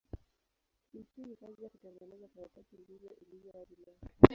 Kimsingi kazi ya kutengeneza karatasi ndivyo ilivyo hadi leo.